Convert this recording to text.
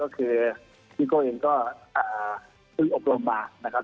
ก็คือก็เป็นอบรมมานะครับ